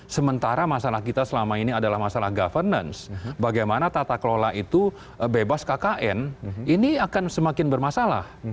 sementara masalah kita selama ini adalah masalah governance bagaimana tata kelola itu bebas kkn ini akan semakin bermasalah